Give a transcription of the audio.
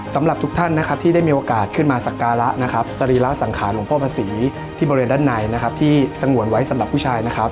สำหรับทุกท่านที่ได้มีโอกาสขึ้นมาสักการะสรีราสังขารหลวงพ่อภาษีที่บริเวณด้านในที่สังหวนไว้สำหรับผู้ชาย